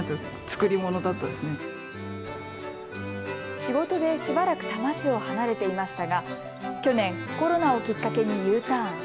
仕事でしばらく多摩市を離れていましたが去年、コロナをきっかけにＵターン。